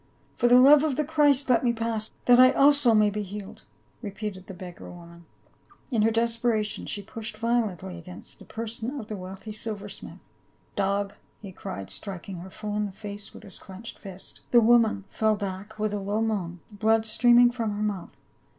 "For the love of the Christ, let me pass — that I also may be healed," repeated the beggar woman ; in her desperation she pushed violently against the per son of the wealthy silver smith. "Dog!" he cried, striking her full in the face with his clenched fist. The woman fell back with a low moan, blood streaming from her mouth.